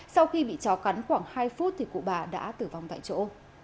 sau khi bị chó cắn khoảng hai phút thì cụ bà đã tử vong tại chỗ